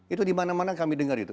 itu di mana mana kami dengar itu